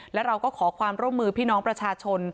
และเราก็ขอความร่วมมือพี่น้องประชาชน